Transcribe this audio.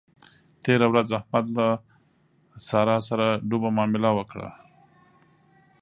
تېره ورځ احمد له له سارا سره ډوبه مامله وکړه.